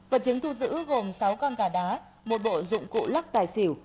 vật chứng thu giữ gồm sáu con gà đá một bộ dụng cụ lắc tài xỉu